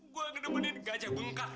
gw ngedemenin gajah bungkar